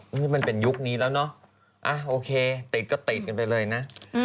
นี่มันเป็นยุคนี้แล้วเนอะโอเคติดก็ติดกันไปเลยนะ